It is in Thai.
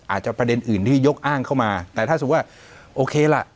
อาจจะประเด็นอื่นที่ยกอ้างเข้ามาแต่ถ้าสมมุติว่าโอเคล่ะ